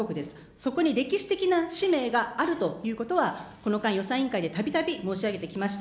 そこに歴史的な使命があるということは、この間、予算委員会でたびたび申し上げてきました。